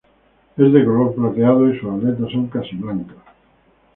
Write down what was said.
Es de color plateado y sus aletas son casi blancas.